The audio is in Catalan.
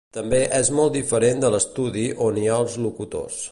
També és molt diferent de l'estudi on hi ha els locutors.